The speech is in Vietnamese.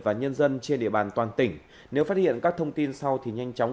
và nhân dân trên địa bàn toàn tỉnh nếu phát hiện các thông tin sau thì nhanh chóng